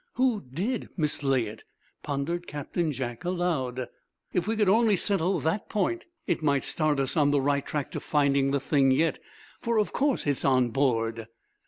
"Who did mislay it?" pondered Captain Jack aloud. "If we could only settle that point, it might start us on the right track to finding the thing yet. For, of course, it's on board."